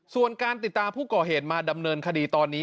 ส่วนการติดตามผู้ก่อเหตุมาดำเนินคดีตอนนี้